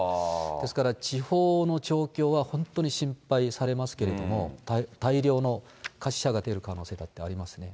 ですから、地方の状況は本当に心配されますけれども、大量の餓死者が出る可能性だってありますね。